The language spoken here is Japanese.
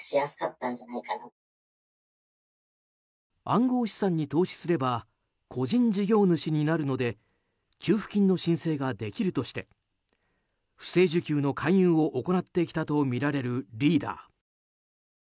暗号資産に投資すれば個人事業主になるので給付金の申請ができるとして不正受給の勧誘を行ってきたとみられる、リーダー。